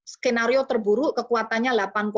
skenario terburuk kekuatannya delapan